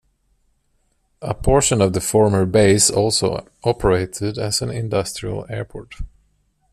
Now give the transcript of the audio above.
A portion of the former base also operated as an industrial airport.